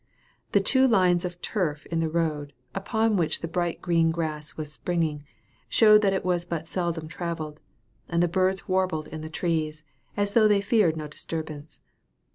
The two lines of turf in the road, upon which the bright green grass was springing, showed that it was but seldom travelled; and the birds warbled in the trees, as though they feared no disturbance.